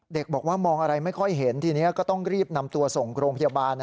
บอกว่ามองอะไรไม่ค่อยเห็นทีนี้ก็ต้องรีบนำตัวส่งโรงพยาบาล